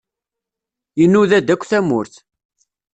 Inuda-d akk tamurt.